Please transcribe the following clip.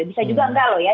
bisa juga enggak loh ya